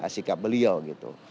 sikap beliau gitu